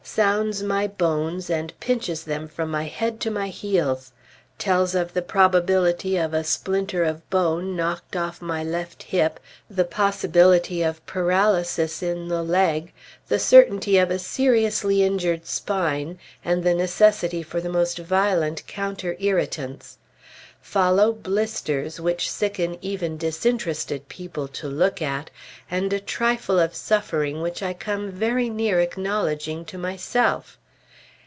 Sounds my bones and pinches them from my head to my heels. Tells of the probability of a splinter of bone knocked off my left hip, the possibility of paralysis in the leg, the certainty of a seriously injured spine, and the necessity for the most violent counter irritants. Follow blisters which sicken even disinterested people to look at, and a trifle of suffering which I come very near acknowledging to myself.